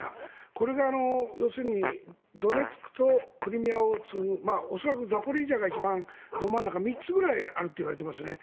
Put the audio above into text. これが要するにドネツクとクリミアを恐らくザポリージャが一番ど真ん中、３つぐらいあるといわれていますね。